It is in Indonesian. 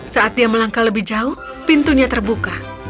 saat dia melangkah lebih jauh pintunya terbuka